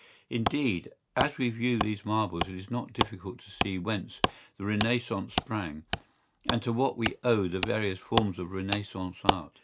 ¬Ý Indeed, as we view these marbles it is not difficult to see whence the Renaissance sprang and to what we owe the various forms of Renaissance art.